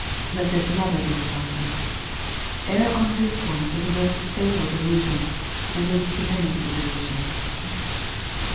Let this never be forgotten. Error on this point is a most fatal delusion, and leads to many superstitions.